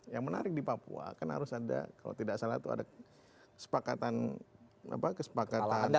yang menarik di papua kan harus ada kalau tidak salah itu ada kesepakatan